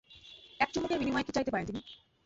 এক চুমুকের বিনিময়ে কী চাইতে পারেন তিনি?